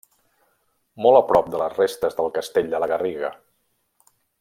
Molt a prop de les restes del castell de la Garriga.